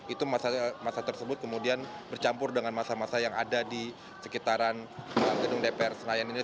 itu masa tersebut kemudian bercampur dengan masa masa yang ada di sekitaran gedung dpr senayan ini